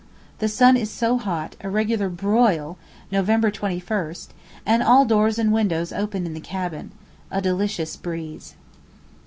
The sun is so hot, a regular broil, November 21, and all doors and windows open in the cabin—a delicious breeze.